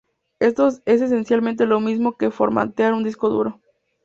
Esto es esencialmente lo mismo que formatear un disco duro.